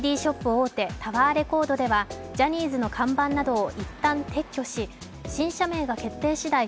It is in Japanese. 大手タワーレコードではジャニーズの看板などを一旦撤去し新社名が決定しだい